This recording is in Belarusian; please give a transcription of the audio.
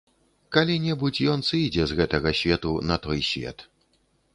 Калі-небудзь ён сыдзе з гэтага свету на той свет.